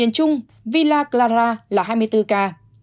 tỉnh villa clara là hai mươi bốn ca